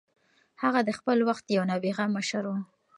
هغه د خپل وخت یو نابغه مشر و.